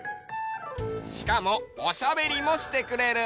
しかもおしゃべりもしてくれる。